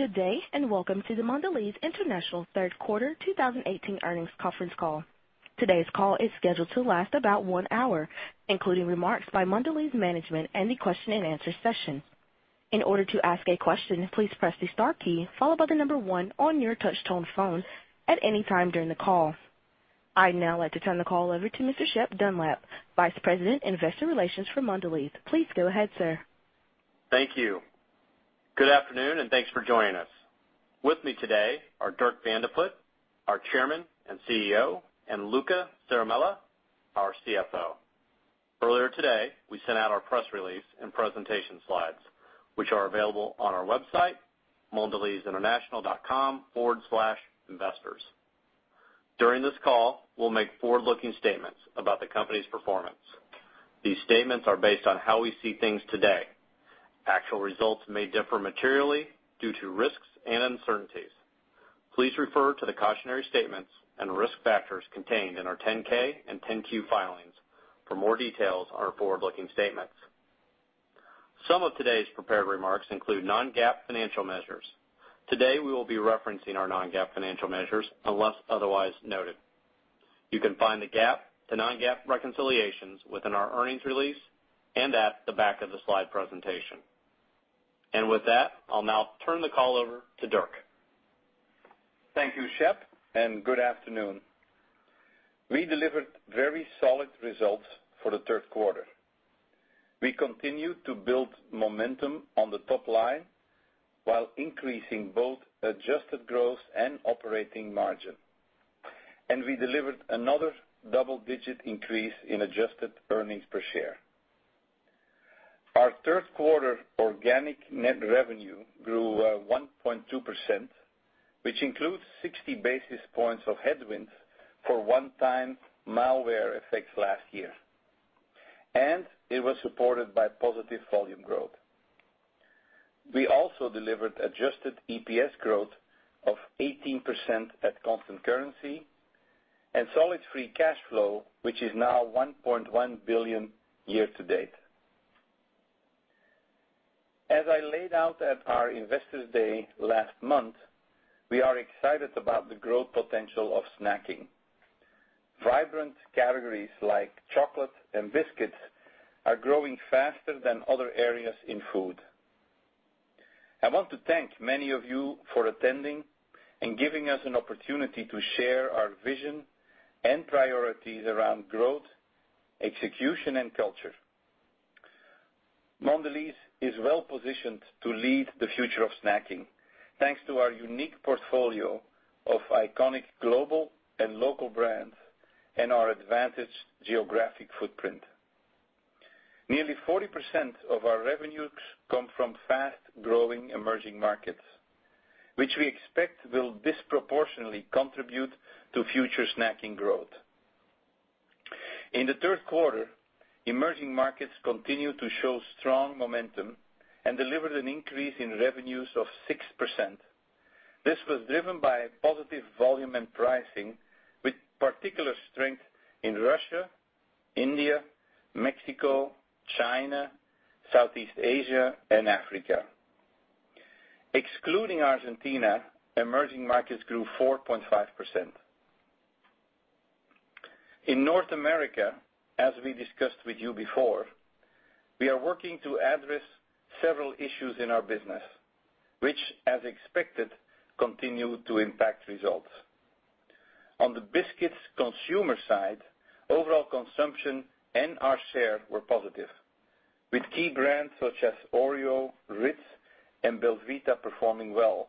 Good day. Welcome to the Mondelez International third quarter 2018 earnings conference call. Today's call is scheduled to last about one hour, including remarks by Mondelez management and the question and answer session. In order to ask a question, please press the star key, followed by the number one on your touch-tone phone at any time during the call. I'd now like to turn the call over to Mr. Shep Dunlap, Vice President, Investor Relations for Mondelez. Please go ahead, sir. Thank you. Good afternoon. Thanks for joining us. With me today are Dirk Van de Put, our Chairman and CEO, and Luca Zaramella, our CFO. Earlier today, we sent out our press release and presentation slides, which are available on our website, mondelezinternational.com/investors. During this call, we'll make forward-looking statements about the company's performance. These statements are based on how we see things today. Actual results may differ materially due to risks and uncertainties. Please refer to the cautionary statements and risk factors contained in our 10-K and 10-Q filings for more details on our forward-looking statements. Some of today's prepared remarks include non-GAAP financial measures. Today, we will be referencing our non-GAAP financial measures unless otherwise noted. You can find the GAAP to non-GAAP reconciliations within our earnings release and at the back of the slide presentation. With that, I'll now turn the call over to Dirk. Thank you, Shep. Good afternoon. We delivered very solid results for the third quarter. We continued to build momentum on the top line while increasing both adjusted growth and operating margin. We delivered another double-digit increase in adjusted earnings per share. Our third quarter organic net revenue grew 1.2%, which includes 60 basis points of headwinds for one-time malware effects last year, and it was supported by positive volume growth. We also delivered adjusted EPS growth of 18% at constant currency and solid free cash flow, which is now $1.1 billion year to date. As I laid out at our Investor Day last month, we are excited about the growth potential of snacking. Vibrant categories like chocolate and biscuits are growing faster than other areas in food. I want to thank many of you for attending and giving us an opportunity to share our vision and priorities around growth, execution, and culture. Mondelez is well-positioned to lead the future of snacking, thanks to our unique portfolio of iconic global and local brands and our advantaged geographic footprint. Nearly 40% of our revenues come from fast-growing emerging markets, which we expect will disproportionately contribute to future snacking growth. In the third quarter, emerging markets continued to show strong momentum and delivered an increase in revenues of 6%. This was driven by positive volume and pricing, with particular strength in Russia, India, Mexico, China, Southeast Asia, and Africa. Excluding Argentina, emerging markets grew 4.5%. In North America, as we discussed with you before, we are working to address several issues in our business, which, as expected, continue to impact results. On the biscuits consumer side, overall consumption and our share were positive, with key brands such as Oreo, Ritz, and belVita performing well.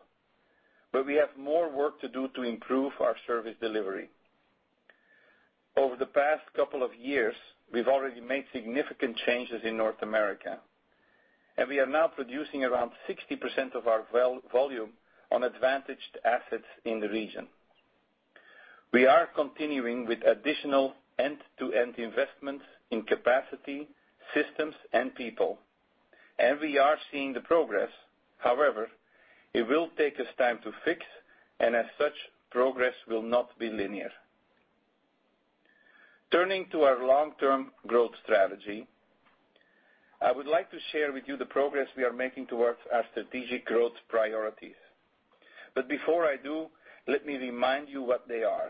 We have more work to do to improve our service delivery. Over the past couple of years, we've already made significant changes in North America, we are now producing around 60% of our volume on advantaged assets in the region. We are continuing with additional end-to-end investments in capacity, systems, and people, we are seeing the progress. It will take us time to fix, as such, progress will not be linear. Turning to our long-term growth strategy, I would like to share with you the progress we are making towards our strategic growth priorities. Before I do, let me remind you what they are.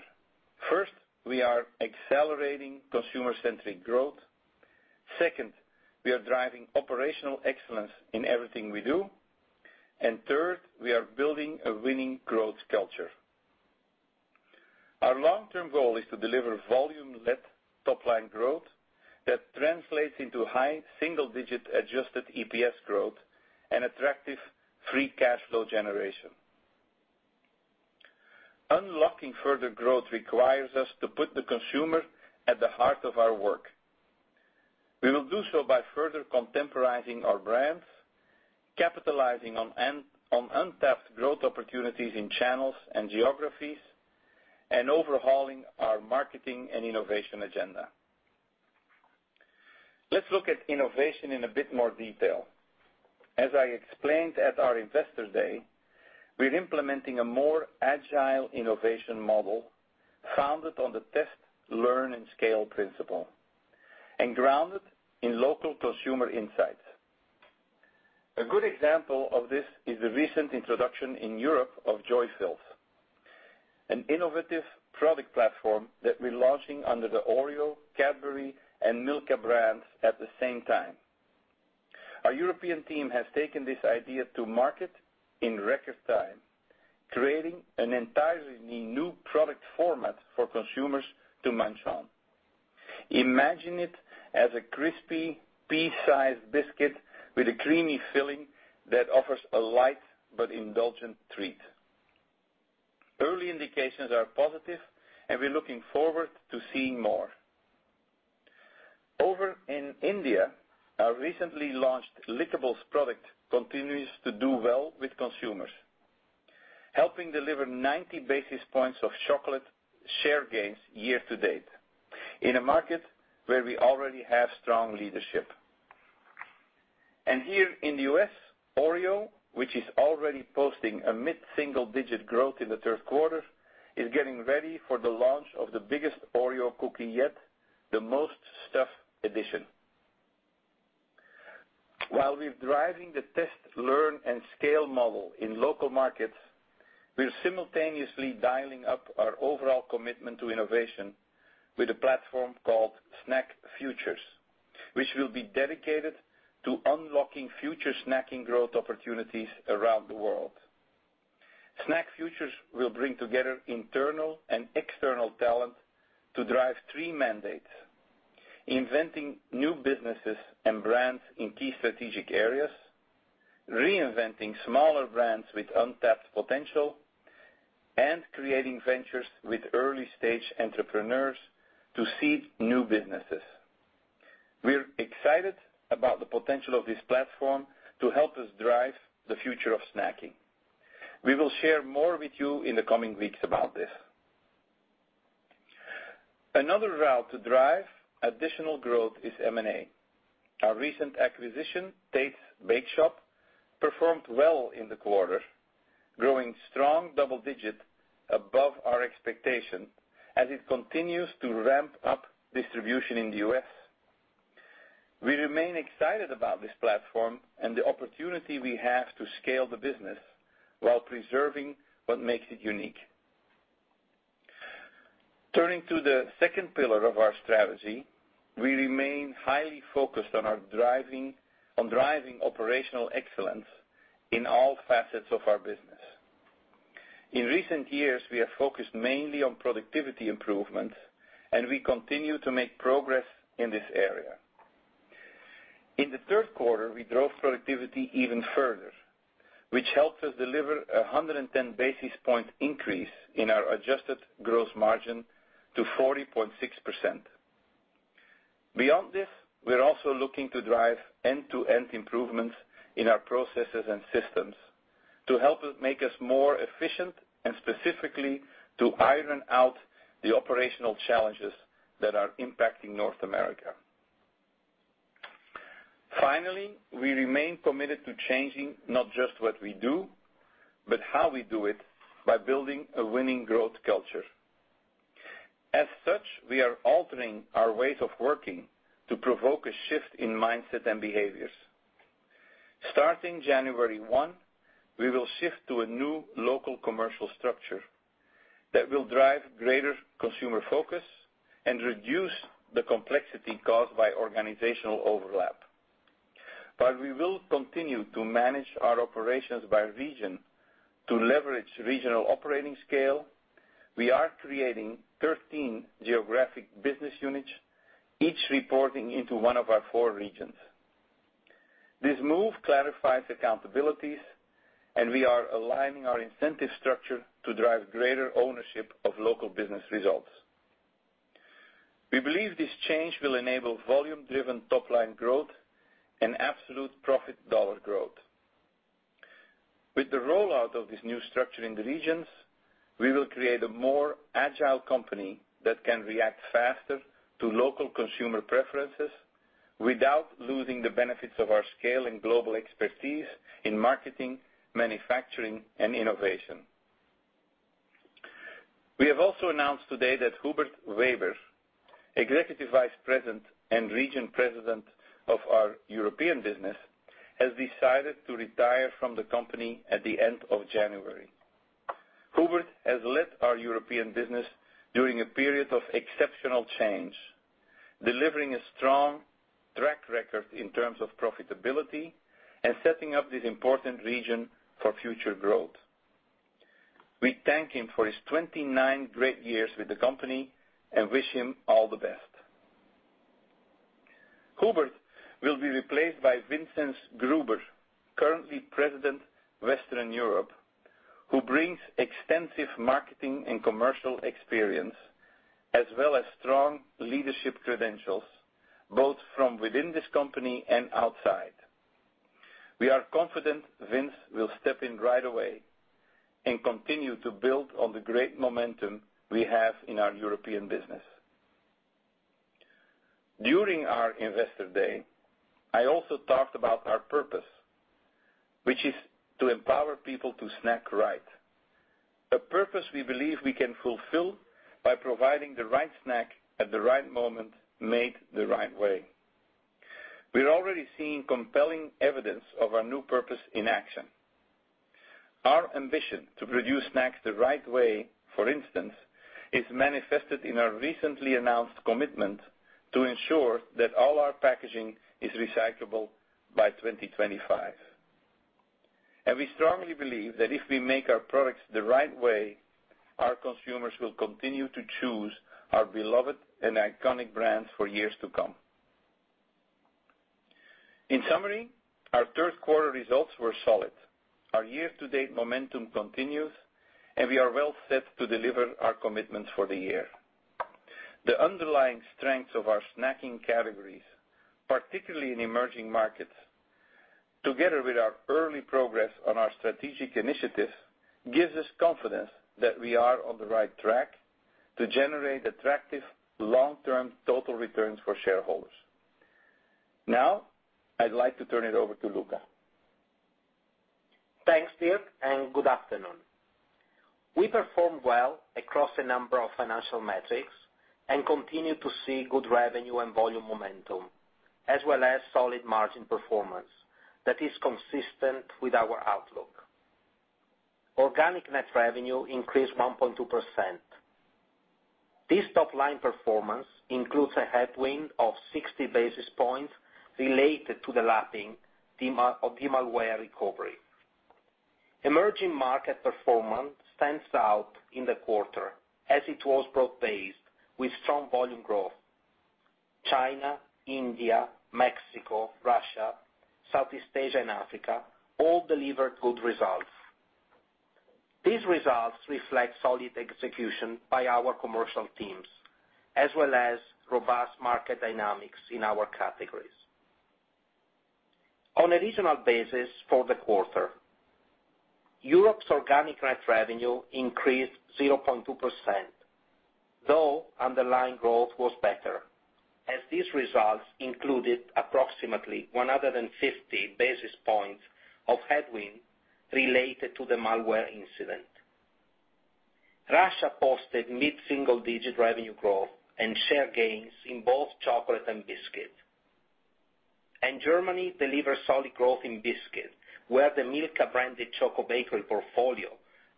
First, we are accelerating consumer-centric growth. Second, we are driving operational excellence in everything we do. Third, we are building a winning growth culture. Our long-term goal is to deliver volume-led top-line growth that translates into high single-digit adjusted EPS growth and attractive free cash flow generation. Unlocking further growth requires us to put the consumer at the heart of our work. We will do so by further contemporizing our brands, capitalizing on untapped growth opportunities in channels and geographies, and overhauling our marketing and innovation agenda. Let's look at innovation in a bit more detail. As I explained at our Investor Day, we're implementing a more agile innovation model founded on the test, learn, and scale principle. And grounded in local consumer insights. A good example of this is the recent introduction in Europe of Joyfills, an innovative product platform that we're launching under the Oreo, Cadbury, and Milka brands at the same time. Our European team has taken this idea to market in record time, creating an entirely new product format for consumers to munch on. Imagine it as a crispy, pea-sized biscuit with a creamy filling that offers a light but indulgent treat. Early indications are positive, we're looking forward to seeing more. Over in India, our recently launched Lickables product continues to do well with consumers, helping deliver 90 basis points of chocolate share gains year to date in a market where we already have strong leadership. Here in the U.S., Oreo, which is already posting a mid-single digit growth in the third quarter, is getting ready for the launch of the biggest Oreo cookie yet, The Most Stuf edition. While we're driving the test, learn, and scale model in local markets, we're simultaneously dialing up our overall commitment to innovation with a platform called SnackFutures, which will be dedicated to unlocking future snacking growth opportunities around the world. SnackFutures will bring together internal and external talent to drive three mandates, inventing new businesses and brands in key strategic areas, reinventing smaller brands with untapped potential, and creating ventures with early-stage entrepreneurs to seed new businesses. We're excited about the potential of this platform to help us drive the future of snacking. We will share more with you in the coming weeks about this. Another route to drive additional growth is M&A. Our recent acquisition, Tate's Bake Shop, performed well in the quarter, growing strong double digit above our expectation as it continues to ramp up distribution in the U.S. We remain excited about this platform and the opportunity we have to scale the business while preserving what makes it unique. Turning to the second pillar of our strategy, we remain highly focused on driving operational excellence in all facets of our business. In recent years, we have focused mainly on productivity improvements, and we continue to make progress in this area. In the third quarter, we drove productivity even further, which helped us deliver 110 basis point increase in our adjusted gross margin to 40.6%. Beyond this, we're also looking to drive end-to-end improvements in our processes and systems to help make us more efficient and specifically to iron out the operational challenges that are impacting North America. Finally, we remain committed to changing not just what we do, but how we do it by building a winning growth culture. We are altering our ways of working to provoke a shift in mindset and behaviors. Starting January 1, we will shift to a new local commercial structure that will drive greater consumer focus and reduce the complexity caused by organizational overlap. We will continue to manage our operations by region to leverage regional operating scale. We are creating 13 geographic business units, each reporting into one of our four regions. This move clarifies accountabilities, and we are aligning our incentive structure to drive greater ownership of local business results. We believe this change will enable volume-driven top-line growth and absolute profit dollar growth. With the rollout of this new structure in the regions, we will create a more agile company that can react faster to local consumer preferences without losing the benefits of our scale and global expertise in marketing, manufacturing, and innovation. We have also announced today that Hubert Weber, Executive Vice President and Region President of our European business, has decided to retire from the company at the end of January. Hubert has led our European business during a period of exceptional change, delivering a strong track record in terms of profitability and setting up this important region for future growth. We thank him for his 29 great years with the company and wish him all the best. Hubert will be replaced by Vince Gruber, currently President, Western Europe, who brings extensive marketing and commercial experience, as well as strong leadership credentials, both from within this company and outside. We are confident Vince will step in right away and continue to build on the great momentum we have in our European business. During our Investor Day, I also talked about our purpose, which is to empower people to snack right. A purpose we believe we can fulfill by providing the right snack at the right moment, made the right way. Our ambition to produce snacks the right way, for instance, is manifested in our recently announced commitment to ensure that all our packaging is recyclable by 2025. We strongly believe that if we make our products the right way, our consumers will continue to choose our beloved and iconic brands for years to come. In summary, our third quarter results were solid. Our year-to-date momentum continues, and we are well set to deliver our commitments for the year. The underlying strengths of our snacking categories, particularly in emerging markets, together with our early progress on our strategic initiatives, gives us confidence that we are on the right track to generate attractive long-term total returns for shareholders. Now, I'd like to turn it over to Luca. Thanks, Dirk, good afternoon. We performed well across a number of financial metrics and continue to see good revenue and volume momentum, as well as solid margin performance that is consistent with our outlook. Organic net revenue increased 1.2%. This top-line performance includes a headwind of 60 basis points related to the lapping of the malware recovery. Emerging market performance stands out in the quarter, as it was broad-based with strong volume growth. China, India, Mexico, Russia, Southeast Asia, and Africa all delivered good results. These results reflect solid execution by our commercial teams, as well as robust market dynamics in our categories. On a regional basis for the quarter, Europe's organic net revenue increased 0.2%, though underlying growth was better, as these results included approximately 150 basis points of headwind related to the malware incident. Russia posted mid-single-digit revenue growth and share gains in both chocolate and biscuit. Germany delivered solid growth in biscuit, where the Milka-branded Choco Bakery portfolio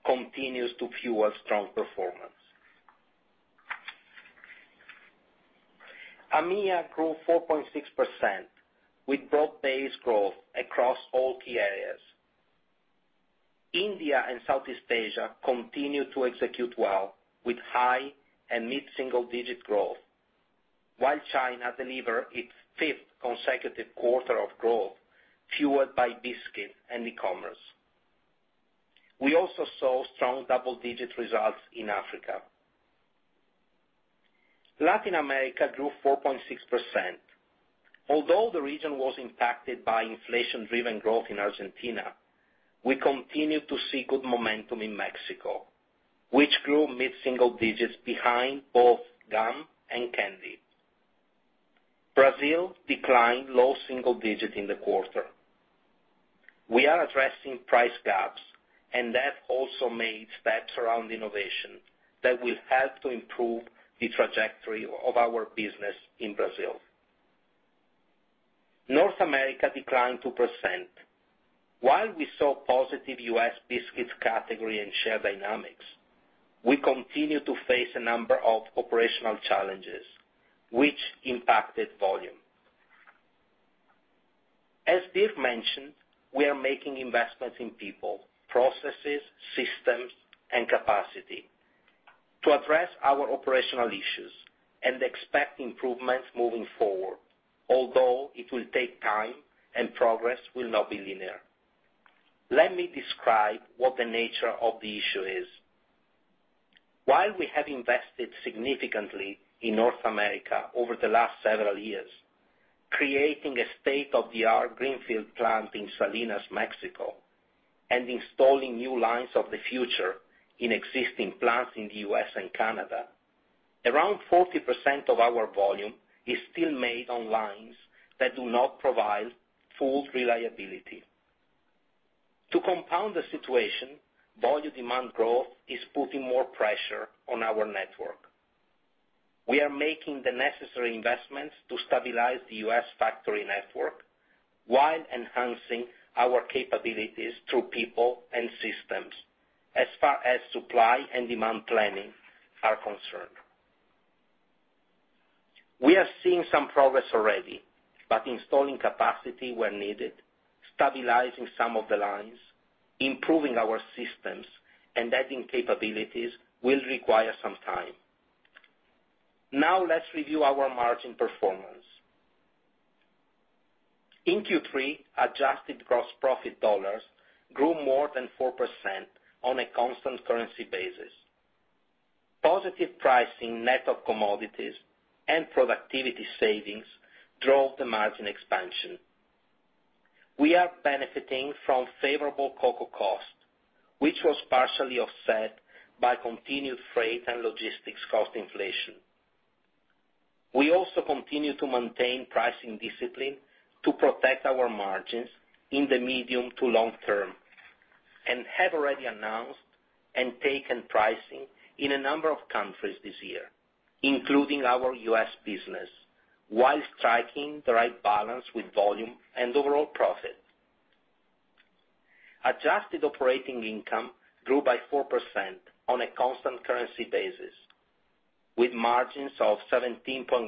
continues to fuel strong performance. AMEA grew 4.6%, with broad-based growth across all key areas. India and Southeast Asia continued to execute well with high and mid-single-digit growth. China delivered its fifth consecutive quarter of growth, fueled by biscuits and e-commerce. We also saw strong double-digit results in Africa. Latin America grew 4.6%. Although the region was impacted by inflation-driven growth in Argentina, we continued to see good momentum in Mexico, which grew mid-single digits behind both gum and candy. Brazil declined low single digits in the quarter. We are addressing price gaps and have also made steps around innovation that will help to improve the trajectory of our business in Brazil. North America declined 2%. While we saw positive U.S. biscuits category and share dynamics, we continue to face a number of operational challenges, which impacted volume. As Dirk mentioned, we are making investments in people, processes, systems, and capacity to address our operational issues and expect improvements moving forward. Although it will take time and progress will not be linear. Let me describe what the nature of the issue is. While we have invested significantly in North America over the last several years, creating a state-of-the-art greenfield plant in Salinas, Mexico, and installing new lines of the future in existing plants in the U.S. and Canada, around 40% of our volume is still made on lines that do not provide full reliability. To compound the situation, volume demand growth is putting more pressure on our network. We are making the necessary investments to stabilize the U.S. factory network while enhancing our capabilities through people and systems, as far as supply and demand planning are concerned. We are seeing some progress already, but installing capacity where needed, stabilizing some of the lines, improving our systems, and adding capabilities will require some time. Now let's review our margin performance. In Q3, adjusted gross profit dollars grew more than 4% on a constant currency basis. Positive pricing net of commodities and productivity savings drove the margin expansion. We are benefiting from favorable cocoa cost, which was partially offset by continued freight and logistics cost inflation. We also continue to maintain pricing discipline to protect our margins in the medium to long term, and have already announced and taken pricing in a number of countries this year, including our U.S. business, while striking the right balance with volume and overall profit. Adjusted operating income grew by 4% on a constant currency basis, with margins of 17.1%,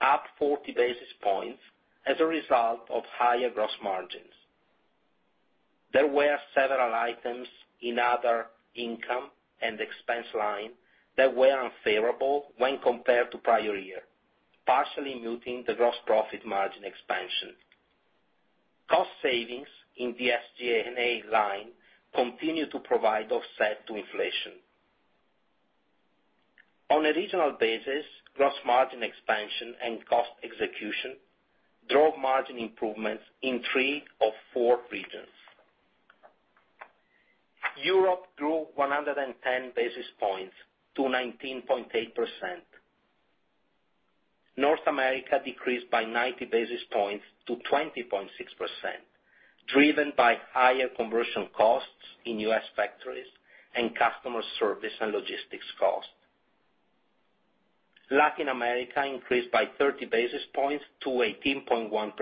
up 40 basis points as a result of higher gross margins. There were several items in other income and expense line that were unfavorable when compared to prior year, partially muting the gross profit margin expansion. Cost savings in the SG&A line continue to provide offset to inflation. On a regional basis, gross margin expansion and cost execution drove margin improvements in three of four regions. Europe grew 110 basis points to 19.8%. North America decreased by 90 basis points to 20.6%, driven by higher conversion costs in U.S. factories and customer service and logistics costs. Latin America increased by 30 basis points to 18.1%,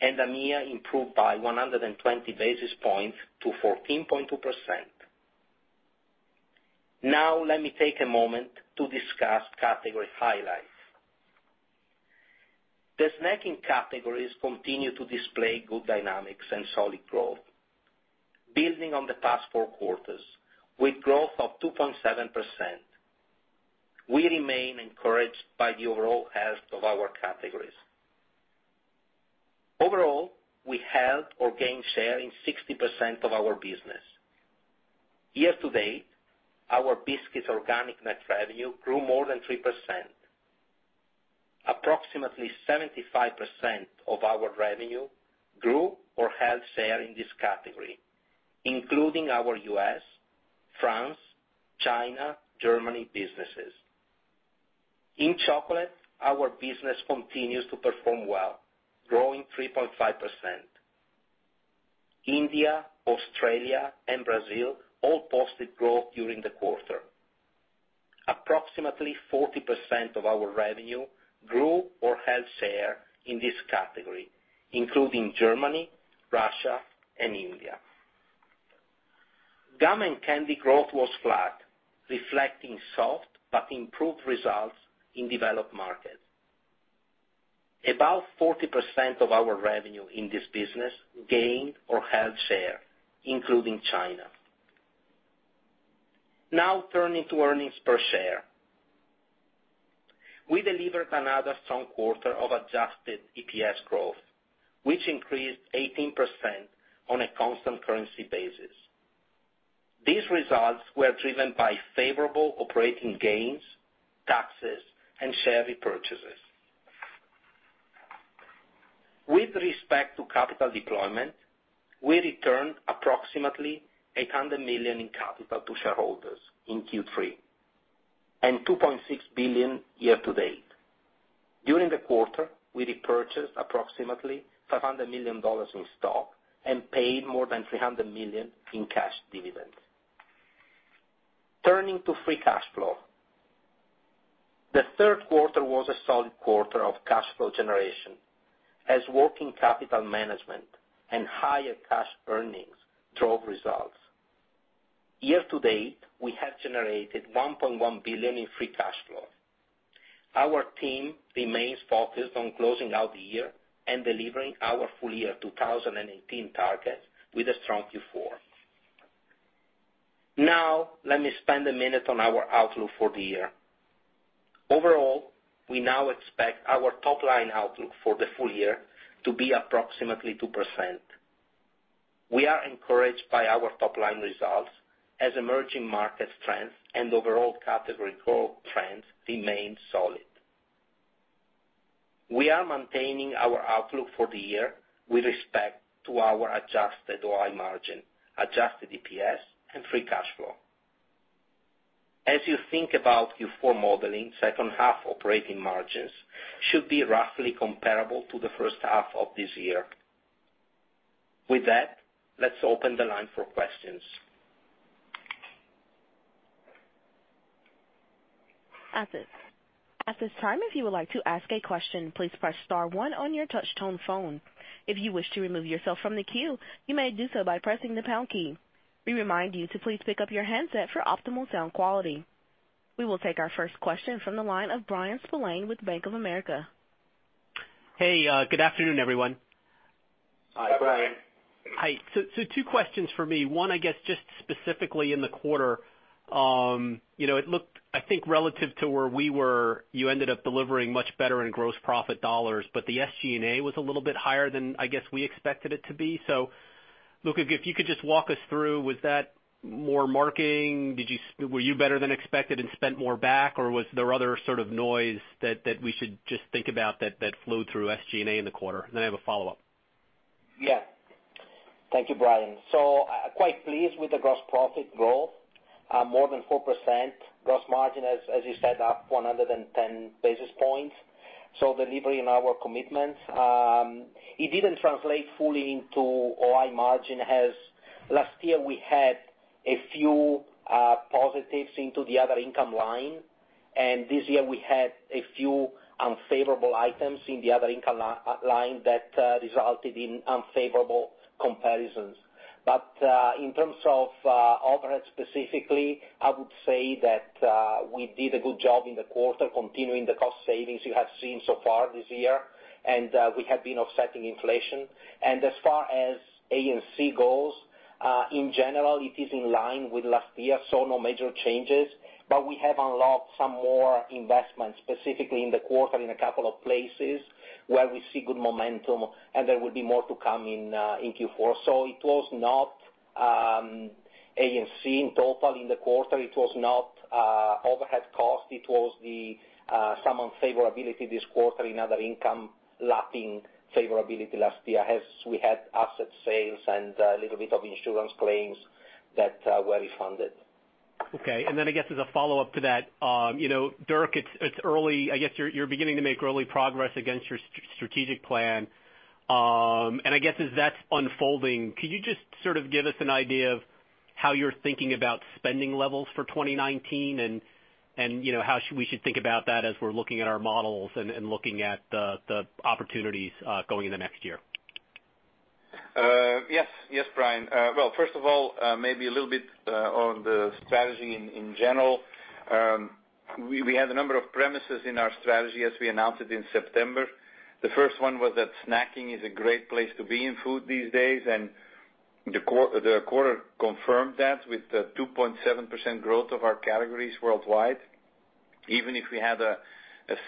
and AMEA improved by 120 basis points to 14.2%. Now, let me take a moment to discuss category highlights. The snacking categories continue to display good dynamics and solid growth. Building on the past four quarters with growth of 2.7%, we remain encouraged by the overall health of our categories. Overall, we held or gained share in 60% of our business. Year to date, our biscuits organic net revenue grew more than 3%. Approximately 75% of our revenue grew or held share in this category, including our U.S., France, China, Germany businesses. In chocolate, our business continues to perform well, growing 3.5%. India, Australia, and Brazil all posted growth during the quarter. Approximately 40% of our revenue grew or held share in this category, including Germany, Russia, and India. Gum and candy growth was flat, reflecting soft but improved results in developed markets. About 40% of our revenue in this business gained or held share, including China. Now turning to earnings per share. We delivered another strong quarter of adjusted EPS growth, which increased 18% on a constant currency basis. These results were driven by favorable operating gains, taxes, and share repurchases. With respect to capital deployment, we returned approximately $800 million in capital to shareholders in Q3, and $2.6 billion year to date. During the quarter, we repurchased approximately $500 million in stock and paid more than $300 million in cash dividends. Turning to free cash flow. The third quarter was a solid quarter of cash flow generation as working capital management and higher cash earnings drove results. Year to date, we have generated $1.1 billion in free cash flow. Our team remains focused on closing out the year and delivering our full year 2018 targets with a strong Q4. Now, let me spend a minute on our outlook for the year. Overall, we now expect our top-line outlook for the full year to be approximately 2%. We are encouraged by our top-line results as emerging market trends and overall category growth trends remain solid. We are maintaining our outlook for the year with respect to our adjusted OI margin, adjusted EPS, and free cash flow. As you think about Q4 modeling, second half operating margins should be roughly comparable to the first half of this year. With that, let's open the line for questions. At this time, if you would like to ask a question, please press star one on your touch tone phone. If you wish to remove yourself from the queue, you may do so by pressing the pound key. We remind you to please pick up your handset for optimal sound quality. We will take our first question from the line of Bryan Spillane with Bank of America. Hey, good afternoon, everyone. Hi, Bryan. Hi. Two questions for me. One, I guess specifically in the quarter. It looked, I think relative to where we were, you ended up delivering much better in gross profit dollars. The SG&A was a little bit higher than I guess we expected it to be. Luca, if you could just walk us through, was that more marketing? Were you better than expected and spent more back, or was there other sort of noise that we should just think about that flowed through SG&A in the quarter? I have a follow-up. Thank you, Bryan. Quite pleased with the gross profit growth, more than 4% gross margin, as you said, up 110 basis points. Delivering on our commitments. It didn't translate fully into OI margin, as last year we had a few positives into the other income line. This year we had a few unfavorable items in the other income line that resulted in unfavorable comparisons. In terms of overhead specifically, I would say that we did a good job in the quarter continuing the cost savings you have seen so far this year. We have been offsetting inflation. As far as A&C goes, in general, it is in line with last year. No major changes. We have unlocked some more investments, specifically in the quarter in a couple of places where we see good momentum. There will be more to come in Q4. It was not A&C in total in the quarter, it was not overhead cost, it was some unfavorability this quarter in other income lacking favorability last year, as we had asset sales and a little bit of insurance claims that were refunded. I guess as a follow-up to that, Dirk, I guess you're beginning to make early progress against your strategic plan. I guess as that's unfolding, could you just sort of give us an idea of how you're thinking about spending levels for 2019 and how we should think about that as we're looking at our models and looking at the opportunities going in the next year? Yes, Bryan. First of all, maybe a little bit on the strategy in general. We had a number of premises in our strategy as we announced it in September. The first one was that snacking is a great place to be in food these days, and the quarter confirmed that with the 2.7% growth of our categories worldwide, even if we had a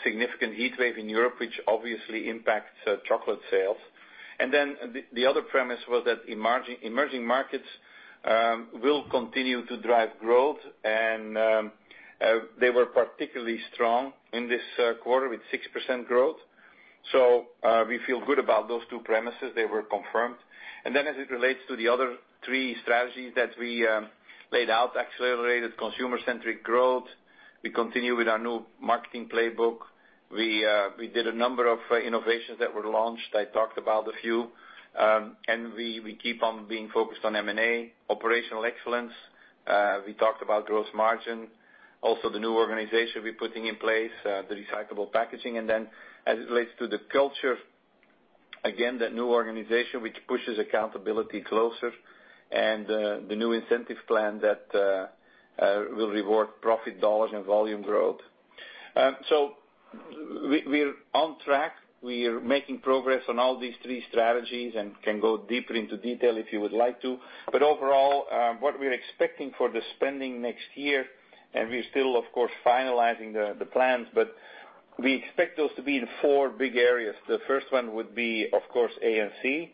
significant heatwave in Europe, which obviously impacts chocolate sales. The other premise was that emerging markets will continue to drive growth, and they were particularly strong in this quarter with 6% growth. We feel good about those two premises. They were confirmed. As it relates to the other three strategies that we laid out, accelerated consumer-centric growth, we continue with our new marketing playbook. We did a number of innovations that were launched. I talked about a few. We keep on being focused on M&A, operational excellence. We talked about gross margin, also the new organization we're putting in place, the recyclable packaging, and then as it relates to the culture, again, that new organization, which pushes accountability closer and the new incentive plan that will reward profit dollars and volume growth. We're on track. We're making progress on all these three strategies and can go deeper into detail if you would like to. Overall, what we are expecting for the spending next year, and we're still, of course, finalizing the plans, but we expect those to be in four big areas. The first one would be, of course, A&C.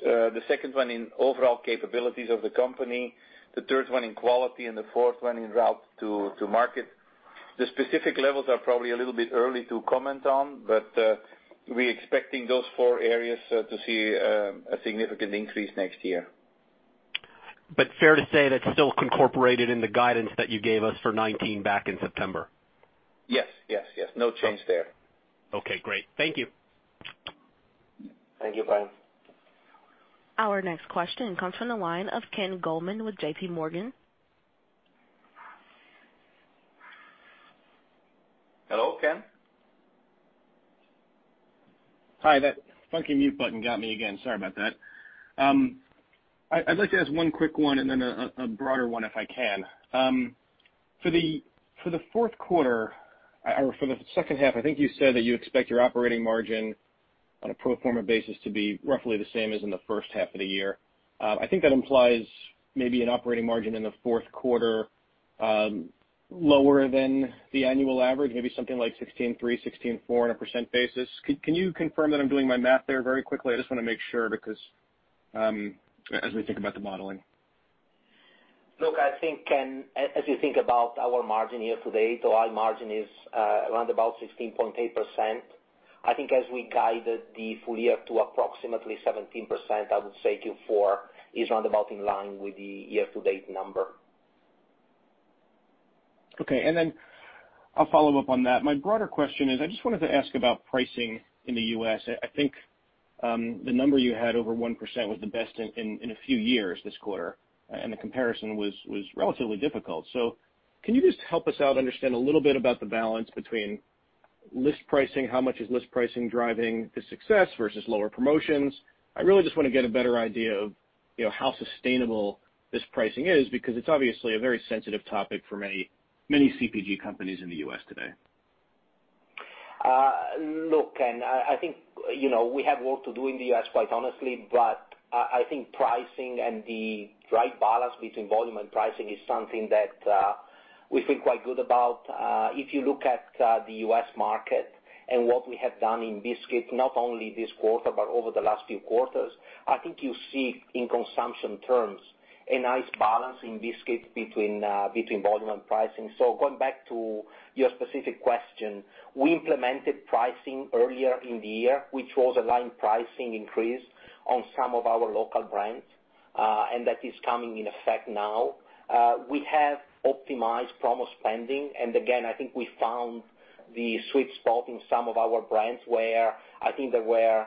The second one in overall capabilities of the company, the third one in quality, and the fourth one in route to market. The specific levels are probably a little bit early to comment on, We're expecting those four areas to see a significant increase next year. Fair to say that's still incorporated in the guidance that you gave us for 2019 back in September? Yes. No change there. Okay, great. Thank you. Thank you, Bryan. Our next question comes from the line of Ken Goldman with J.P. Morgan. Hello, Ken? Hi, that funky mute button got me again. Sorry about that. I'd like to ask one quick one and then a broader one if I can. For the fourth quarter or for the second half, I think you said that you expect your operating margin on a pro forma basis to be roughly the same as in the first half of the year. I think that implies maybe an operating margin in the fourth quarter, lower than the annual average, maybe something like 16.3%, 16.4% on a percent basis. Can you confirm that I'm doing my math there very quickly? I just want to make sure because, as we think about the modeling. I think, Ken, as you think about our margin year-to-date, our margin is around about 16.8%. I think as we guided the full year to approximately 17%, I would say Q4 is roundabout in line with the year-to-date number. Okay. I'll follow up on that. My broader question is, I just wanted to ask about pricing in the U.S. I think, the number you had over 1% was the best in a few years this quarter, and the comparison was relatively difficult. Can you just help us out understand a little bit about the balance between list pricing, how much is list pricing driving the success versus lower promotions? I really just want to get a better idea of how sustainable this pricing is because it's obviously a very sensitive topic for many CPG companies in the U.S. today. Look, Ken, I think we have work to do in the U.S., quite honestly, but I think pricing and the right balance between volume and pricing is something that we feel quite good about. If you look at the U.S. market and what we have done in biscuits, not only this quarter but over the last few quarters, I think you see in consumption terms a nice balance in biscuits between volume and pricing. Going back to your specific question, we implemented pricing earlier in the year, which was a line pricing increase on some of our local brands. That is coming in effect now. We have optimized promo spending. Again, I think we found the sweet spot in some of our brands where I think there were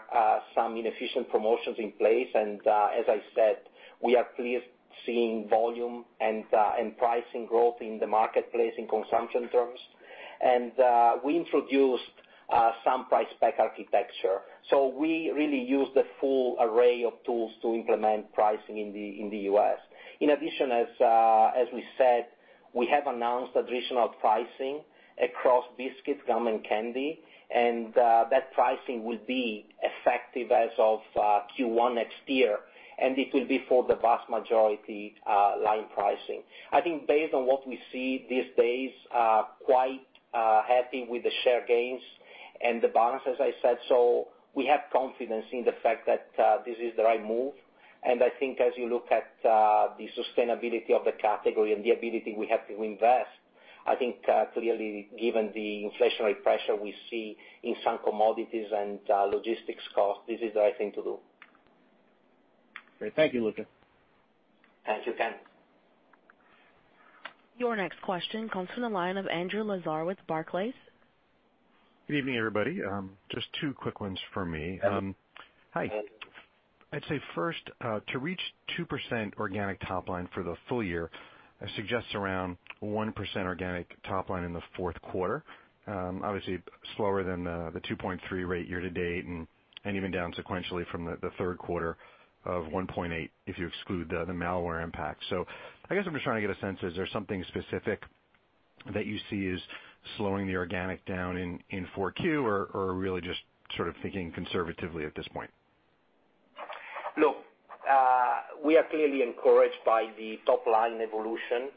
some inefficient promotions in place. As I said, we are pleased seeing volume and pricing growth in the marketplace in consumption terms. We introduced some price-pack architecture. We really use the full array of tools to implement pricing in the U.S. In addition, as we said, we have announced additional pricing across biscuits, gum, and candy, and that pricing will be effective as of Q1 next year, and it will be for the vast majority line pricing. I think based on what we see these days, quite happy with the share gains and the balance, as I said. We have confidence in the fact that this is the right move, and I think as you look at the sustainability of the category and the ability we have to invest, I think clearly given the inflationary pressure we see in some commodities and logistics cost, this is the right thing to do. Great. Thank you, Luca. Thank you, Ken. Your next question comes from the line of Andrew Lazar with Barclays. Good evening, everybody. Just two quick ones for me. Hi. Hi. I'd say first, to reach 2% organic top line for the full year suggests around 1% organic top line in the fourth quarter. Obviously slower than the 2.3 rate year to date and even down sequentially from the third quarter of 1.8 if you exclude the malware impact. I guess I'm just trying to get a sense, is there something specific that you see is slowing the organic down in Q4, or really just sort of thinking conservatively at this point? We are clearly encouraged by the top-line evolution.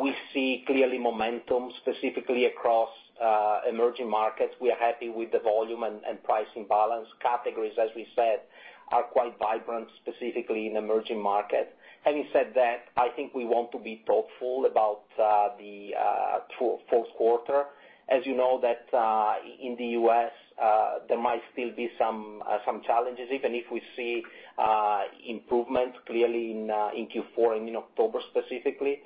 We see clearly momentum specifically across emerging markets. We are happy with the volume and pricing balance. Categories, as we said, are quite vibrant, specifically in emerging markets. Having said that, I think we want to be thoughtful about the fourth quarter, as you know that in the U.S., there might still be some challenges, even if we see improvement clearly in Q4 and in October specifically.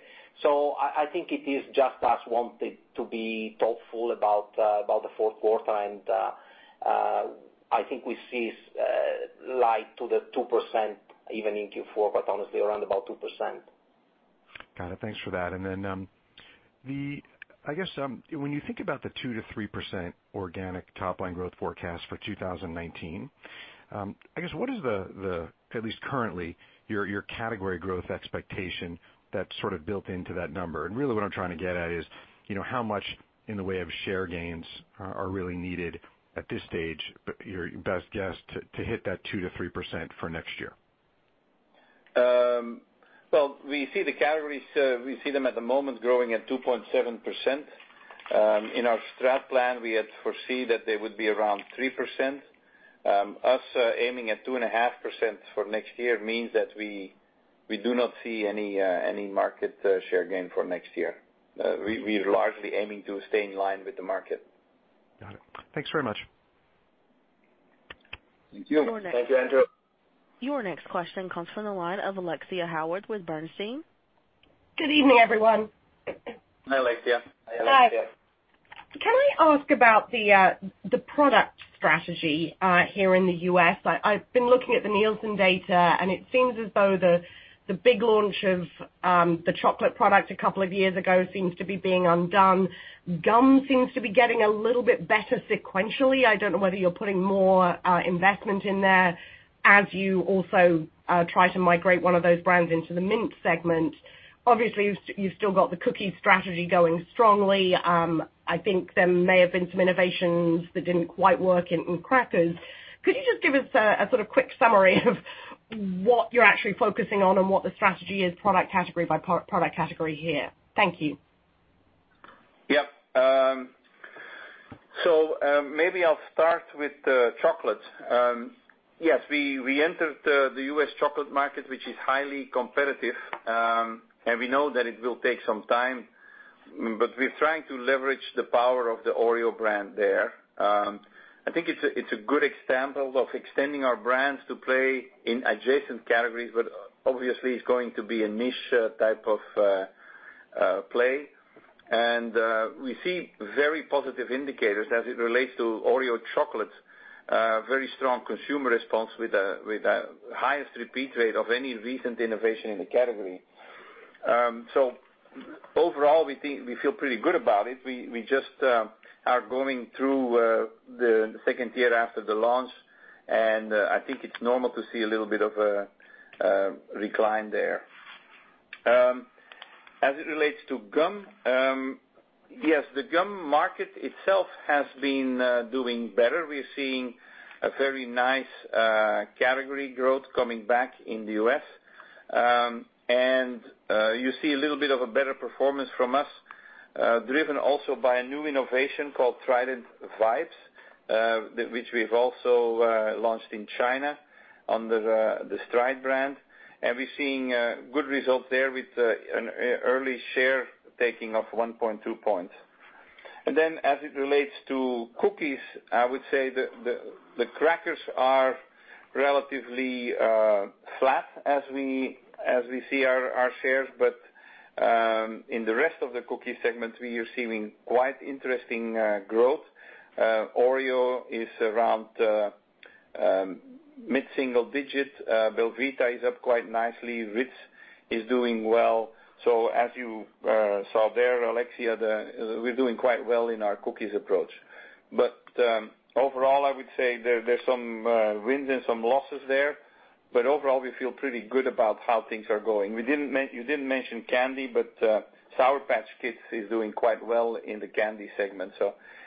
I think it is just us wanting to be thoughtful about the fourth quarter, and I think we see light to the 2% even in Q4, but honestly around about 2%. Got it. Thanks for that. I guess, when you think about the 2%-3% organic top-line growth forecast for 2019, I guess what is the, at least currently, your category growth expectation that's sort of built into that number? Really what I'm trying to get at is how much in the way of share gains are really needed at this stage, your best guess to hit that 2%-3% for next year. We see the categories, we see them at the moment growing at 2.7%. In our strat plan, we had foreseen that they would be around 3%. Us aiming at 2.5% for next year means that we do not see any market share gain for next year. We're largely aiming to stay in line with the market. Got it. Thanks very much. Thank you. Your next- Thank you, Andrew. Your next question comes from the line of Alexia Howard with Bernstein. Good evening, everyone. Hi, Alexia. Hi. Hi, Alexia. Can I ask about the product strategy here in the U.S.? I've been looking at the Nielsen data, and it seems as though the big launch of the chocolate product a couple of years ago seems to be being undone. Gum seems to be getting a little bit better sequentially. I don't know whether you're putting more investment in there as you also try to migrate one of those brands into the mint segment. Obviously, you've still got the cookie strategy going strongly. I think there may have been some innovations that didn't quite work in crackers. Could you just give us a sort of quick summary of what you're actually focusing on and what the strategy is product category by product category here? Thank you. Yeah. Maybe I'll start with chocolate. Yes, we entered the U.S. chocolate market, which is highly competitive, and we know that it will take some time, but we're trying to leverage the power of the Oreo brand there. I think it's a good example of extending our brands to play in adjacent categories, but obviously it's going to be a niche type of play. We see very positive indicators as it relates to Oreo chocolate, very strong consumer response with the highest repeat rate of any recent innovation in the category. Overall, we feel pretty good about it. We just are going through the second year after the launch, and I think it's normal to see a little bit of a recline there. As it relates to gum, yes, the gum market itself has been doing better. We're seeing a very nice category growth coming back in the U.S. You see a little bit of a better performance from us, driven also by a new innovation called Trident Vibes, which we've also launched in China under the Stride brand. We're seeing good results there with an early share taking of 1.2 points. As it relates to cookies, I would say the crackers are relatively flat as we see our shares. In the rest of the cookie segment, we are seeing quite interesting growth. Oreo is around mid-single digits. belVita is up quite nicely. Ritz is doing well. As you saw there, Alexia, we're doing quite well in our cookies approach. Overall, I would say there's some wins and some losses there. Overall, we feel pretty good about how things are going. You didn't mention candy, but Sour Patch Kids is doing quite well in the candy segment.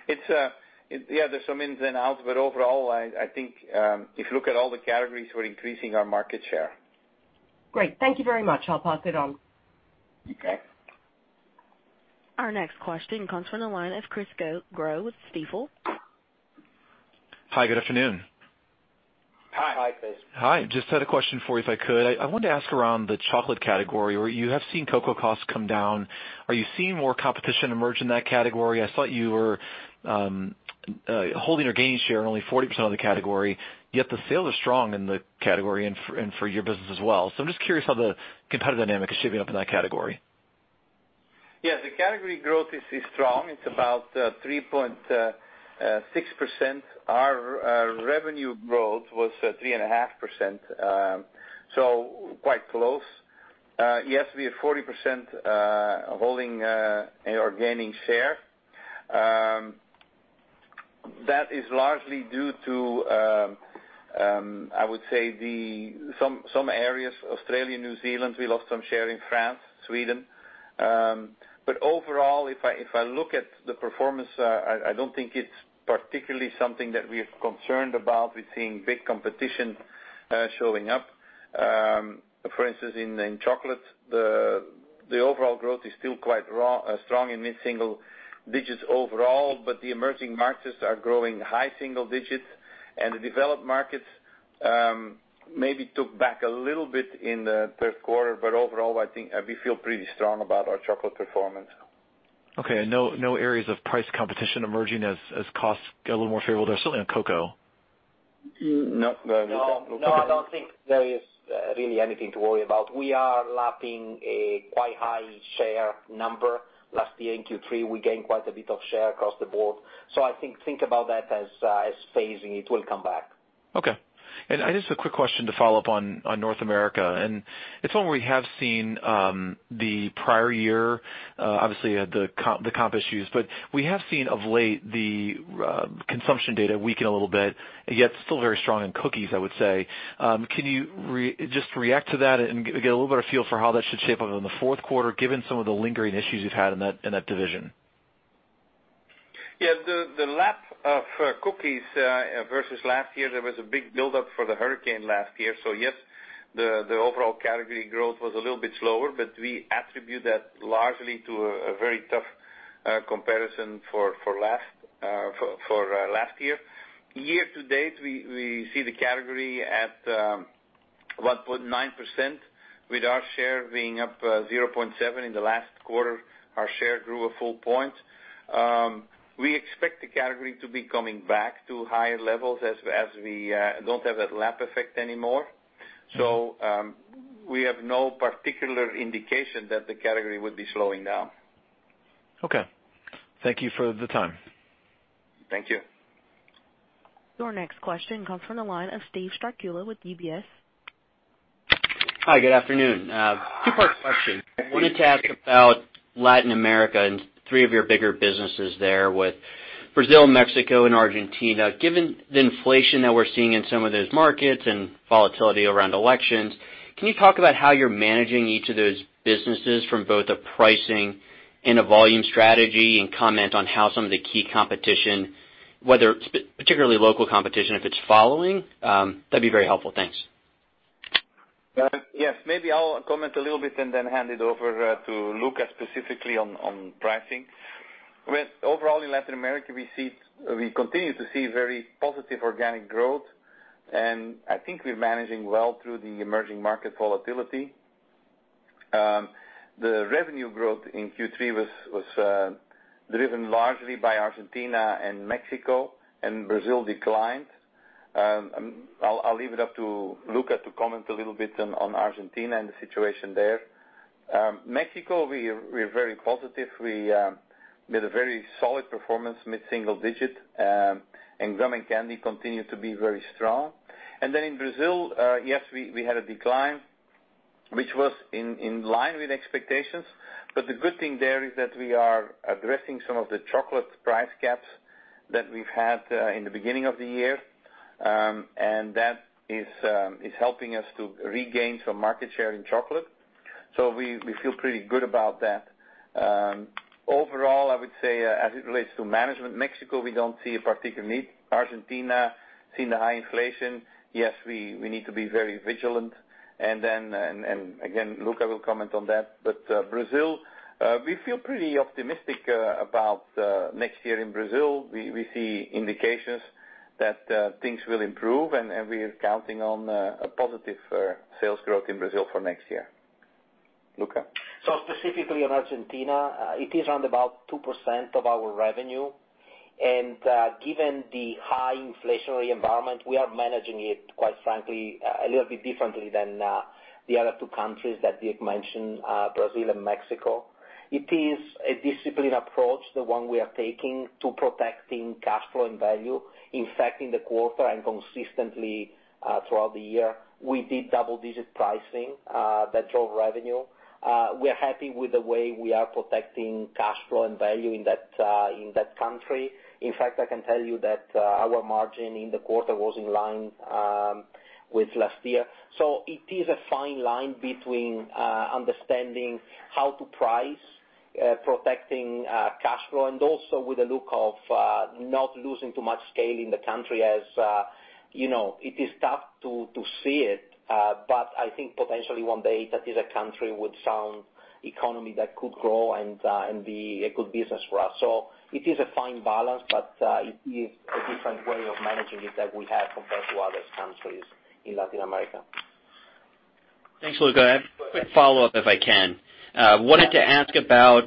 There's some ins and outs, but overall, I think if you look at all the categories, we're increasing our market share. Great. Thank you very much. I'll pass it on. Okay. Our next question comes from the line of Chris Growe with Stifel. Hi, good afternoon. Hi. Hi, Chris. Hi. Just had a question for you, if I could. I wanted to ask around the chocolate category, where you have seen cocoa costs come down. Are you seeing more competition emerge in that category? I thought you were holding or gaining share, only 40% of the category, yet the sales are strong in the category and for your business as well. I'm just curious how the competitive dynamic is shaping up in that category. Yes, the category growth is strong. It's about 3.6%. Our revenue growth was 3.5%, so quite close. Yes, we are 40% holding or gaining share. That is largely due to, I would say some areas, Australia, New Zealand, we lost some share in France, Sweden. Overall, if I look at the performance, I don't think it's particularly something that we're concerned about with seeing big competition showing up. For instance, in chocolate, the overall growth is still quite strong in mid-single digits overall, but the emerging markets are growing high single digits, and the developed markets maybe took back a little bit in the third quarter, but overall, I think we feel pretty strong about our chocolate performance. Okay, no areas of price competition emerging as costs get a little more favorable there, certainly on cocoa? No. No, I don't think there is really anything to worry about. We are lapping a quite high share number. Last year in Q3, we gained quite a bit of share across the board. I think about that as phasing. It will come back. Okay. Just a quick question to follow up on North America, and it's one where we have seen the prior year, obviously, the comp issues. We have seen of late the consumption data weaken a little bit, yet still very strong in cookies, I would say. Can you just react to that and get a little better feel for how that should shape up in the fourth quarter, given some of the lingering issues you've had in that division? The lap of cookies versus last year, there was a big buildup for the hurricane last year. Yes, the overall category growth was a little bit slower, but we attribute that largely to a very tough comparison for last year. Year to date, we see the category at 1.9% with our share being up 0.7% in the last quarter. Our share grew a full point. We expect the category to be coming back to higher levels as we don't have that lap effect anymore. We have no particular indication that the category would be slowing down. Thank you for the time. Thank you. Your next question comes from the line of Steven Strycula with UBS. Hi, good afternoon. Two-part question. I wanted to ask about Latin America and three of your bigger businesses there with Brazil, Mexico, and Argentina. Given the inflation that we're seeing in some of those markets and volatility around elections, can you talk about how you're managing each of those businesses from both a pricing and a volume strategy and comment on how some of the key competition, whether particularly local competition, if it's following? That'd be very helpful. Thanks. Yes. Maybe I'll comment a little bit and then hand it over to Luca specifically on pricing. With overall in Latin America, we continue to see very positive organic growth, and I think we're managing well through the emerging market volatility. The revenue growth in Q3 was driven largely by Argentina and Mexico, and Brazil declined. I'll leave it up to Luca to comment a little bit on Argentina and the situation there. Mexico, we're very positive. We made a very solid performance, mid-single digit, and gum and candy continued to be very strong. Then in Brazil, yes, we had a decline, which was in line with expectations. The good thing there is that we are addressing some of the chocolate price gaps that we've had in the beginning of the year, and that is helping us to regain some market share in chocolate. We feel pretty good about that. Overall, I would say as it relates to management, Mexico, we don't see a particular need. Argentina, seeing the high inflation, yes, we need to be very vigilant. Again, Luca will comment on that. Brazil, we feel pretty optimistic about next year in Brazil. We see indications that things will improve, and we are counting on a positive sales growth in Brazil for next year. Luca. Specifically on Argentina, it is around about 2% of our revenue. Given the high inflationary environment, we are managing it, quite frankly, a little bit differently than the other two countries that Dirk mentioned, Brazil and Mexico. It is a disciplined approach, the one we are taking to protecting cash flow and value. In fact, in the quarter and consistently throughout the year, we did double-digit pricing that drove revenue. We are happy with the way we are protecting cash flow and value in that country. In fact, I can tell you that our margin in the quarter was in line with last year. It is a fine line between understanding how to price, protecting cash flow and also with a look of not losing too much scale in the country as it is tough to see it. I think potentially one day that is a country with some economy that could grow and be a good business for us. It is a fine balance, but it is a different way of managing it that we have compared to other countries in Latin America. Thanks, Luca. I have a quick follow-up if I can. Wanted to ask about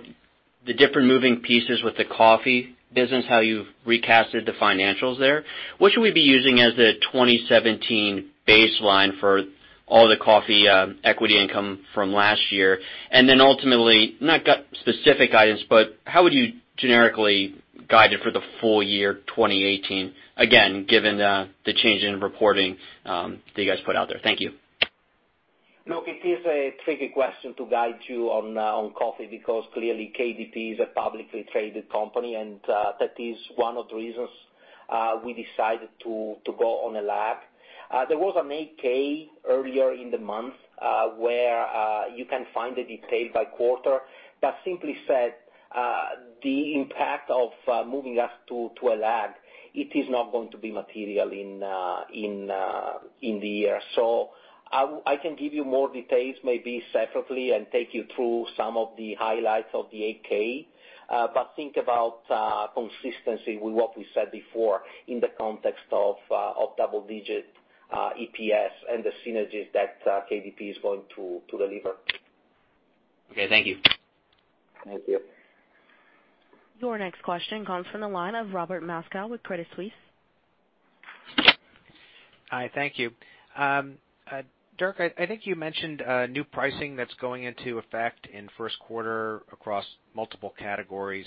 the different moving pieces with the coffee business, how you've recasted the financials there. What should we be using as the 2017 baseline for all the coffee equity income from last year? Ultimately, not got specific items, but how would you generically guide it for the full year 2018, again, given the change in reporting that you guys put out there? Thank you. Look, it is a tricky question to guide you on coffee because clearly KDP is a publicly traded company, and that is one of the reasons we decided to go on a lag. There was an 8-K earlier in the month, where you can find the detail by quarter. Simply said, the impact of moving us to a lag, it is not going to be material in the year. I can give you more details maybe separately and take you through some of the highlights of the 8-K. Think about consistency with what we said before in the context of double-digit EPS and the synergies that KDP is going to deliver. Okay. Thank you. Thank you. Your next question comes from the line of Robert Moskow with Credit Suisse. Hi, thank you. Dirk, I think you mentioned new pricing that's going into effect in first quarter across multiple categories.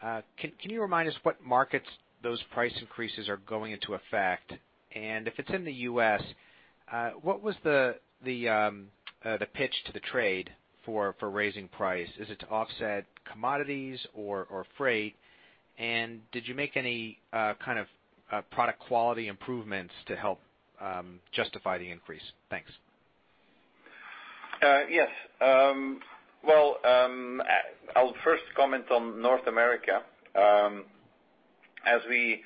Can you remind us what markets those price increases are going into effect? If it's in the U.S., what was the pitch to the trade for raising price? Is it to offset commodities or freight? Did you make any kind of product quality improvements to help justify the increase? Thanks. Yes. Well, I'll first comment on North America. As we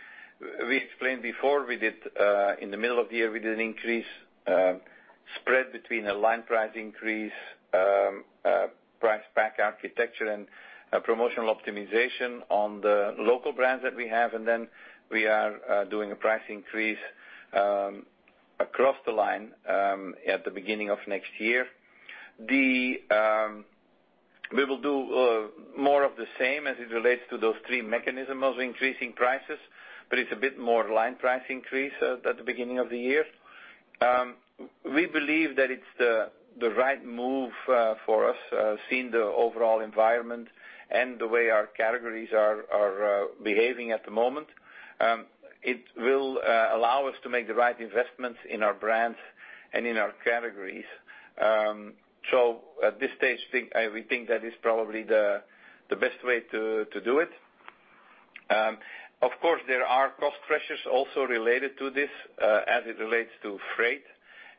explained before, in the middle of the year, we did an increase spread between a line price increase, price pack architecture, and promotional optimization on the local brands that we have. Then we are doing a price increase across the line at the beginning of next year. We will do more of the same as it relates to those three mechanisms of increasing prices, it's a bit more line price increase at the beginning of the year. We believe that it's the right move for us, seeing the overall environment and the way our categories are behaving at the moment. It will allow us to make the right investments in our brands and in our categories. At this stage, we think that is probably the best way to do it. Of course, there are cost pressures also related to this, as it relates to freight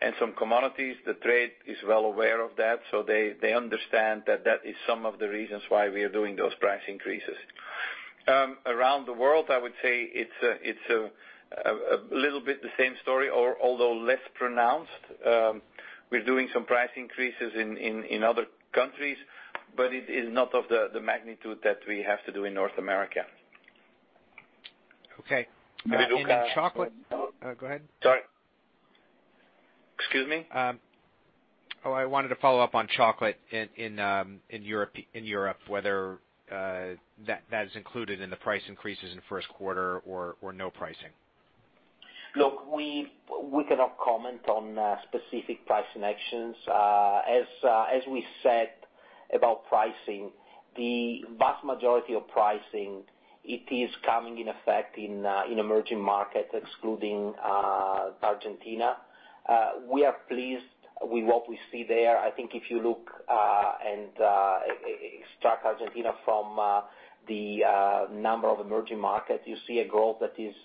and some commodities. The trade is well aware of that, so they understand that that is some of the reasons why we are doing those price increases. Around the world, I would say it's a little bit the same story, although less pronounced. We're doing some price increases in other countries, but it is not of the magnitude that we have to do in North America. Okay. In chocolate- Sorry. Go ahead. Excuse me? I wanted to follow up on chocolate in Europe, whether that is included in the price increases in the first quarter or no pricing. We cannot comment on specific pricing actions. As we said about pricing, the vast majority of pricing, it is coming in effect in emerging markets, excluding Argentina. We are pleased with what we see there. I think if you look and strike Argentina from the number of emerging markets, you see a growth that is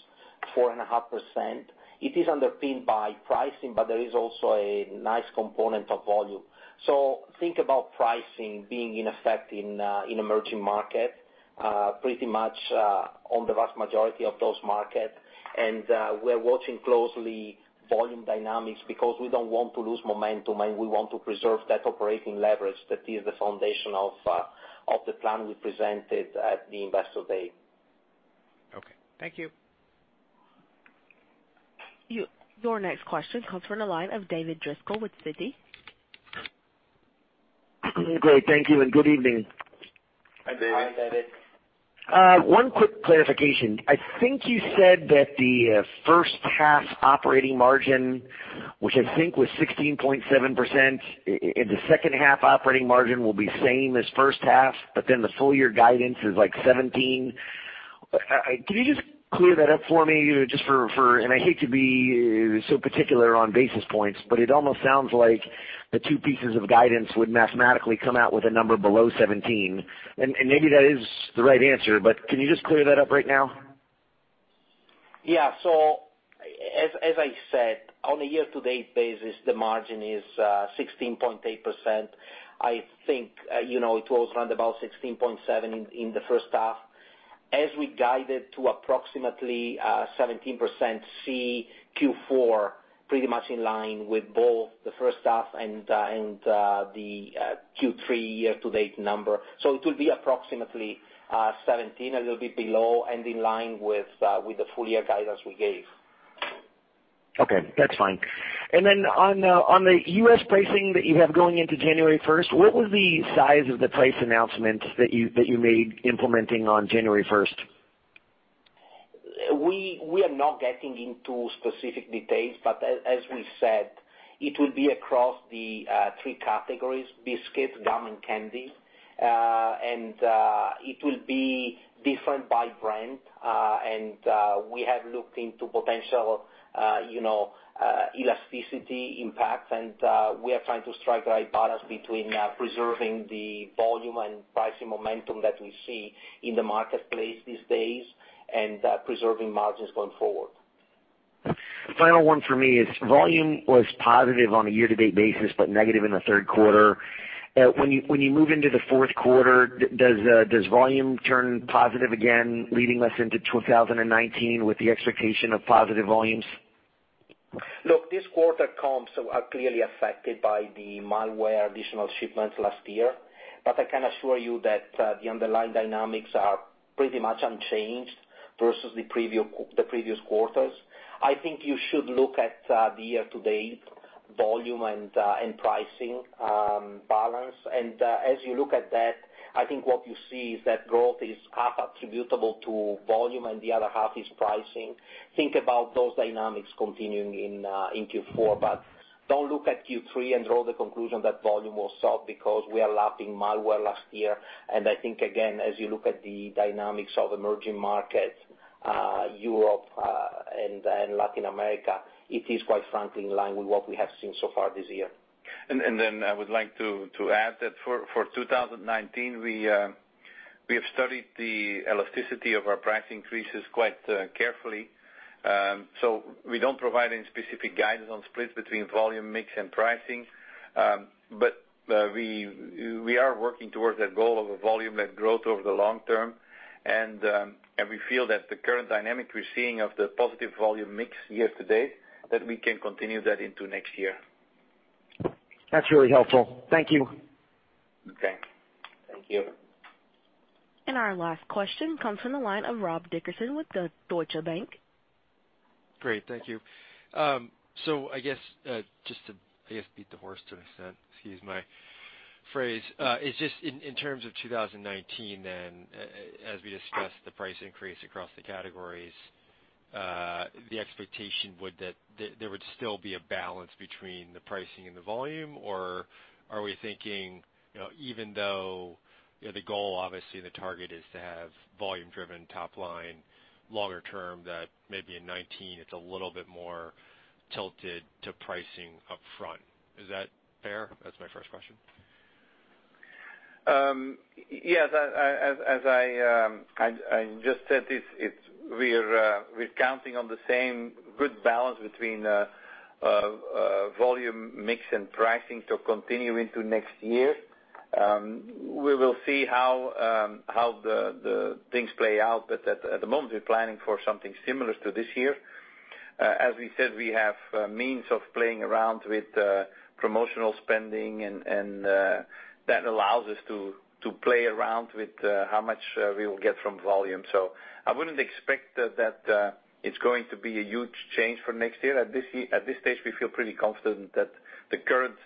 4.5%. It is underpinned by pricing, but there is also a nice component of volume. Think about pricing being in effect in emerging markets pretty much on the vast majority of those markets. We're watching closely volume dynamics because we don't want to lose momentum, and we want to preserve that operating leverage that is the foundation of the plan we presented at the Investor Day. Okay. Thank you. Your next question comes from the line of David Driscoll with Citi. Great, thank you, and good evening. Hi, David. Hi, David. One quick clarification. I think you said that the first half operating margin, which I think was 16.7%, the second half operating margin will be same as first half. The full year guidance is like 17. Can you just clear that up for me? I hate to be so particular on basis points, but it almost sounds like the two pieces of guidance would mathematically come out with a number below 17. Maybe that is the right answer, but can you just clear that up right now? As I said, on a year-to-date basis, the margin is 16.8%. I think it was around about 16.7% in the first half. As we guided to approximately 17% see Q4, pretty much in line with both the first half and the Q3 year-to-date number. It will be approximately 17%, a little bit below and in line with the full year guidance we gave. Okay, that's fine. On the U.S. pricing that you have going into January 1st, what was the size of the price announcement that you made implementing on January 1st? We are not getting into specific details, as we said, it will be across the three categories, biscuits, gum and candy. It will be different by brand. We have looked into potential elasticity impact, we are trying to strike the right balance between preserving the volume and pricing momentum that we see in the marketplace these days, and preserving margins going forward. Final one for me is volume was positive on a year-to-date basis, negative in the third quarter. When you move into the fourth quarter, does volume turn positive again, leading us into 2019 with the expectation of positive volumes? Look, this quarter comps are clearly affected by the malware additional shipments last year. I can assure you that the underlying dynamics are pretty much unchanged versus the previous quarters. I think you should look at the year-to-date volume and pricing balance. As you look at that, I think what you see is that growth is half attributable to volume and the other half is pricing. Think about those dynamics continuing in Q4. Don't look at Q3 and draw the conclusion that volume was soft because we are lapping malware last year. I think, again, as you look at the dynamics of emerging markets, Europe and Latin America, it is quite frankly in line with what we have seen so far this year. I would like to add that for 2019, we have studied the elasticity of our price increases quite carefully. We don't provide any specific guidance on splits between volume mix and pricing. We are working towards that goal of a volume mix growth over the long term. We feel that the current dynamic we're seeing of the positive volume mix year-to-date, that we can continue that into next year. That's really helpful. Thank you. Okay. Thank you. Our last question comes from the line of Rob Dickerson with Deutsche Bank. Great. Thank you. I guess, just to beat the horse to an extent, excuse my phrase. In terms of 2019, then, as we discussed the price increase across the categories, the expectation there would still be a balance between the pricing and the volume? Are we thinking, even though the goal, obviously, the target is to have volume driven top line longer term, that maybe in 2019, it's a little bit more tilted to pricing up front. Is that fair? That's my first question. Yes. As I just said, we're counting on the same good balance between volume mix and pricing to continue into next year. We will see how the things play out, but at the moment, we're planning for something similar to this year. As we said, we have means of playing around with promotional spending, and that allows us to play around with how much we will get from volume. I wouldn't expect that it's going to be a huge change for next year. At this stage, we feel pretty confident that the current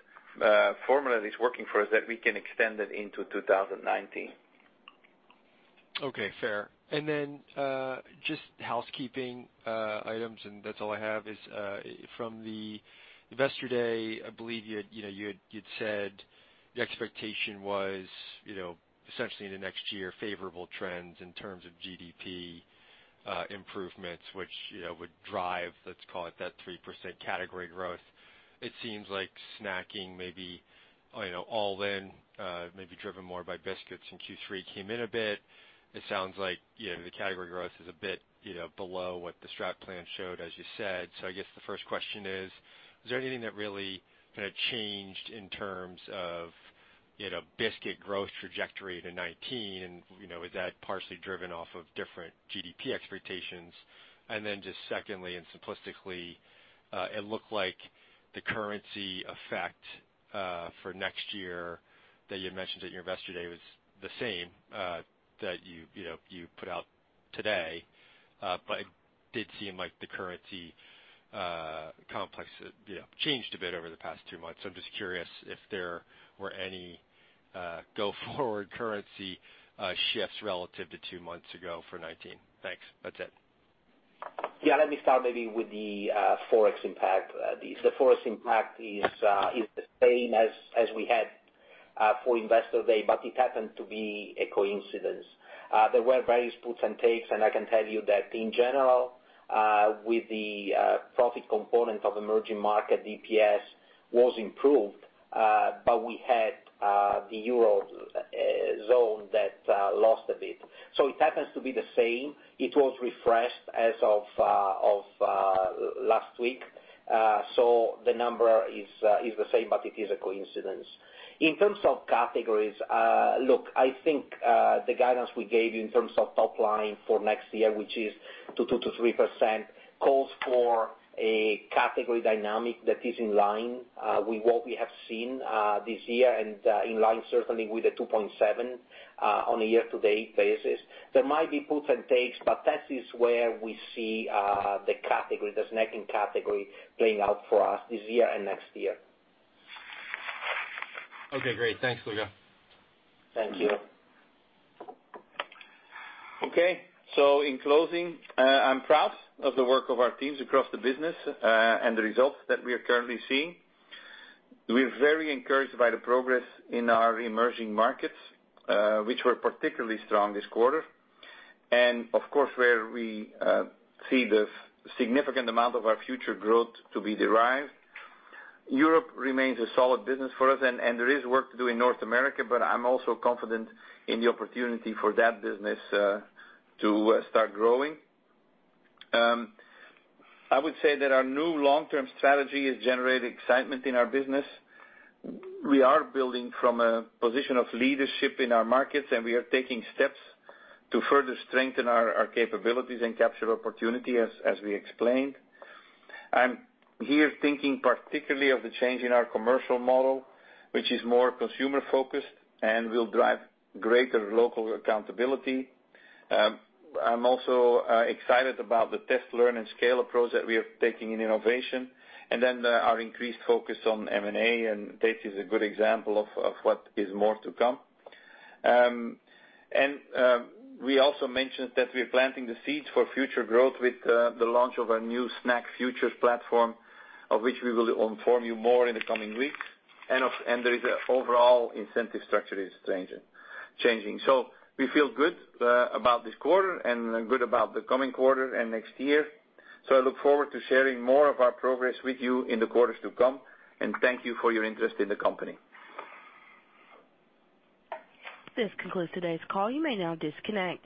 formula is working for us, that we can extend it into 2019. Okay, fair. Just housekeeping items, and that's all I have, is from the Investor Day, I believe you'd said the expectation was, essentially in the next year, favorable trends in terms of GDP improvements, which would drive, let's call it that 3% category growth. It seems like snacking, maybe all in, maybe driven more by biscuits in Q3, came in a bit. It sounds like the category growth is a bit below what the strat plan showed, as you said. I guess the first question is there anything that really changed in terms of biscuit growth trajectory to 2019, and is that partially driven off of different GDP expectations? Just secondly and simplistically. It looked like the currency effect for next year that you had mentioned at your Investor Day was the same that you put out today. It did seem like the currency complex changed a bit over the past two months. I'm just curious if there were any go-forward currency shifts relative to two months ago for 2019. Thanks. That's it. Let me start maybe with the Forex impact. The Forex impact is the same as we had for Investor Day, it happened to be a coincidence. There were various puts and takes, and I can tell you that in general, with the profit component of emerging market, DPS was improved, we had the Eurozone that lost a bit. It happens to be the same. It was refreshed as of last week. The number is the same, it is a coincidence. In terms of categories, look, I think, the guidance we gave you in terms of top line for next year, which is 2%-3%, calls for a category dynamic that is in line with what we have seen this year and in line certainly with the 2.7% on a year-to-date basis. There might be puts and takes, that is where we see the snacking category playing out for us this year and next year. Great. Thanks, Luca. Thank you. In closing, I'm proud of the work of our teams across the business, and the results that we are currently seeing. We're very encouraged by the progress in our emerging markets, which were particularly strong this quarter. Of course, where we see the significant amount of our future growth to be derived. Europe remains a solid business for us, and there is work to do in North America, but I'm also confident in the opportunity for that business to start growing. I would say that our new long-term strategy has generated excitement in our business. We are building from a position of leadership in our markets, and we are taking steps to further strengthen our capabilities and capture opportunity, as we explained. I'm here thinking particularly of the change in our commercial model, which is more consumer-focused and will drive greater local accountability. I'm also excited about the test, learn, and scale approach that we are taking in innovation, and then our increased focus on M&A, and Tate is a good example of what is more to come. We also mentioned that we're planting the seeds for future growth with the launch of our new SnackFutures platform, of which we will inform you more in the coming weeks. The overall incentive structure is changing. We feel good about this quarter and good about the coming quarter and next year. I look forward to sharing more of our progress with you in the quarters to come. Thank you for your interest in the company. This concludes today's call. You may now disconnect.